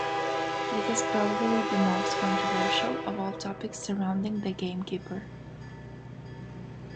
This is probably the most controversial of all topics surrounding the gamekeeper.